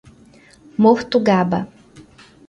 Mortugaba